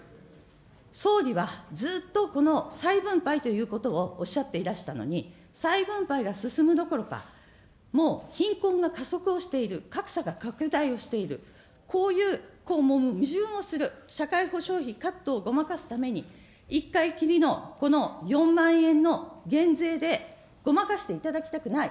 総理はずっとこの再分配ということをおっしゃっていらしたのに、再分配が進むどころか、もう、貧困が加速をしている、格差が拡大をしている、こういう矛盾をする社会保障費カットをごまかすために、１回きりのこの４万円の減税で、ごまかしていただきたくない。